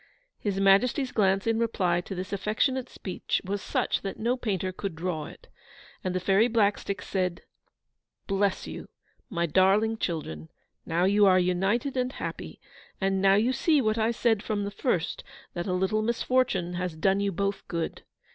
His Majesty's glance in reply to this affectionate speech was such that no painter could draw it. And the Fairy Blackstick said, 'Bless you, my darling children! Now you are united and happy; and now you see what I said from the first, that a little misfortune has done you both good.